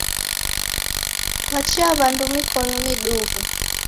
Kwachea w'andu mikonu miduhu?